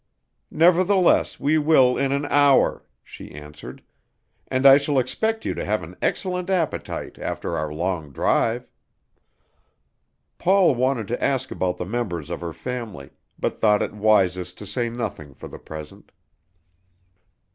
"Nevertheless, we will in an hour," she answered, "and I shall expect you to have an excellent appetite after our long drive." Paul wanted to ask about the members of her family, but thought it wisest to say nothing for the present.